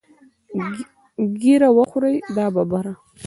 ږیره وخورې دا ببره.